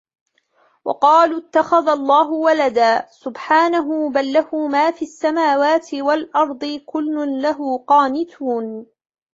وقالوا اتخذ الله ولدا سبحانه بل له ما في السماوات والأرض كل له قانتون